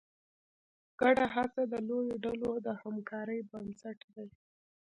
ګډه هڅه د لویو ډلو د همکارۍ بنسټ دی.